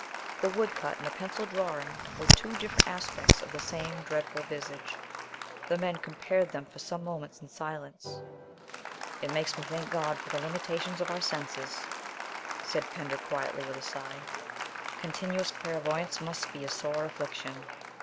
The woodcut and the pencil drawing were two different aspects of the same dreadful visage. The men compared them for some moments in silence. "It makes me thank God for the limitations of our senses," said Pender quietly, with a sigh; "continuous clairvoyance must be a sore affliction."